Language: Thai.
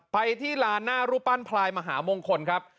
ไปที่ลานหน้ารูปปั้นพลายมหามงคลครับ